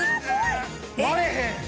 割れへん。